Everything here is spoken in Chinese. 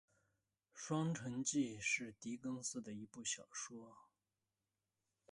《双城记》是狄更斯的一部小说。